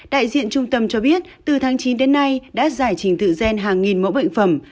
đại diện trung tâm cho biết từ tháng chín đến nay đã giải trình tự gen hàng nghìn mẫu bệnh phẩm